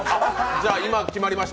じゃ、今決まりました。